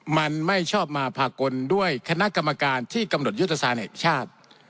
มันไม่ชอบมาพากลด้วยคณะกรรมการที่กำหนดยุทธศาสตร์แห่งชาติ